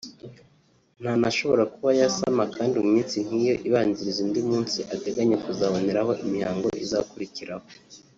ntanashobora kuba yasama kandi mu minsi nk’iyo ibanziriza undi munsi ateganya kuzaboneraho imihango izakurikiraho